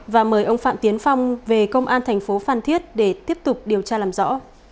và mời ông phạm tiến phong về công an thành phố phan thiết để tiếp tục điều tra làm rõ